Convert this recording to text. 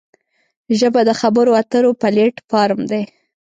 ژبه د خبرو اترو پلیټ فارم دی